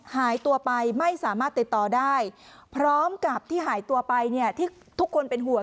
หายตัวไปไม่สามารถติดต่อได้พร้อมกับที่หายตัวไปเนี่ยที่ทุกคนเป็นห่วง